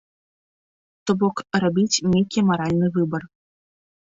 То бок рабіць нейкі маральны выбар.